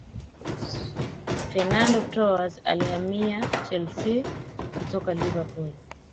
Fernando Torres alihamia chelsea kutoka liverpool